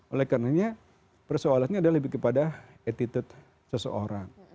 oleh karenanya persoalannya adalah lebih kepada attitude seseorang